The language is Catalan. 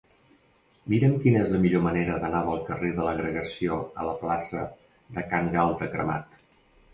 Mira'm quina és la millor manera d'anar del carrer de l'Agregació a la plaça de Can Galta Cremat.